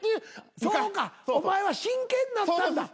そうかお前は真剣だったんだ。